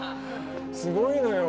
すごいのよ。